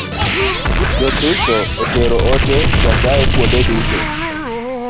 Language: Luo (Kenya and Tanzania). Jo Kristo otero ote Nyasaye kuonde duto